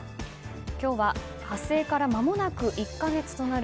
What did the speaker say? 今日は発生からまもなく１か月となる